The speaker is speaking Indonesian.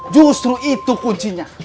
justru itu kuncinya